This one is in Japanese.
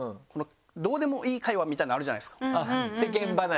どうでもいい会話みたいなのあるじゃないですか。